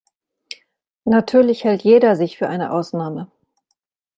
Natürlich hält jeder sich für eine Ausnahme.